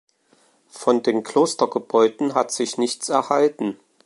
Von den Klostergebäuden hat sich nichts erhalten.